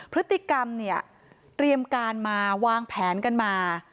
พฤติกรรมเนี่ยเตรียมการมาวางแผนกันมา